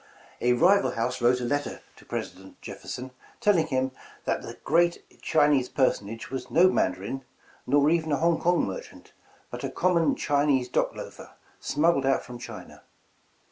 "A rival house wrote a letter to President Jefferson, telling him 'that the gTeat Chinese personage was no Mandarin — nor even a Hong Kong merchant — but a common Chinese dock loafer, smuggled out from China.'